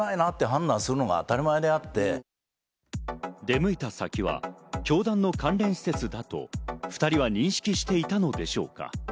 出向いた先は教団の関連施設だと２人は認識していたのでしょうか？